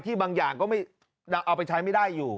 บางอย่างก็เอาไปใช้ไม่ได้อยู่